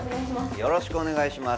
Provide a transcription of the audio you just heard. よろしくお願いします